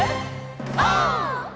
オー！